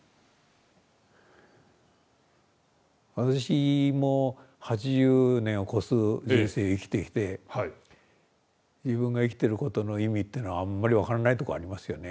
私も８０年を越す人生を生きてきて自分が生きてることの意味っていうのはあんまり分からないところありますよね。